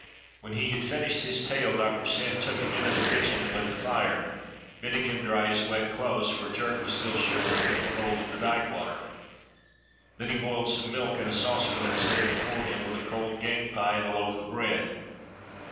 When he had finished his tale Doctor Syn took him into the kitchen and lit the fire, bidding him dry his wet clothes, for Jerk was still shivering with the cold of the dyke water. Then he boiled some milk in a saucepan and set it before him, with a cold game pie and a loaf of bread.